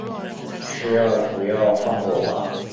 是要不要放过我啊